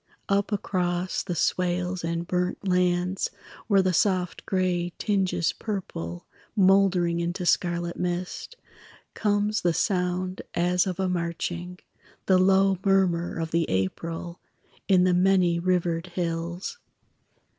Up across the swales and burnt lands Where the soft gray tinges purple, Mouldering into scarlet mist, Comes the sound as of a marching, The low murmur of the April In the many rivered hills.